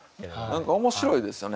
何か面白いですよね。